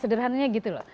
sederhananya gitu loh